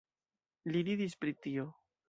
Li ridis pri tio.